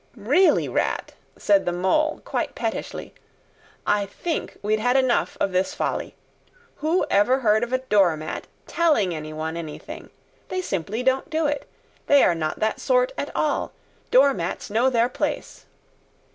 "Really, Rat," said the Mole, quite pettishly, "I think we'd had enough of this folly. Who ever heard of a door mat telling anyone anything? They simply don't do it. They are not that sort at all. Door mats know their place."